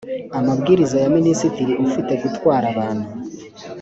amabwiriza ya minisitiri ufite gutwara abantu